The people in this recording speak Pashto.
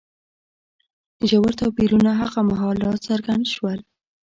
ژور توپیرونه هغه مهال راڅرګند شول.